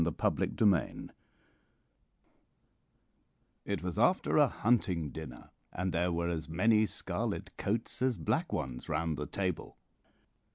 THE KING OF THE FOXES It was after a hunting dinner, and there were as many scarlet coats as black ones round the table.